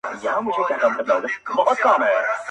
زاهده پرې مي ږده ځواني ده چي دنیا ووینم!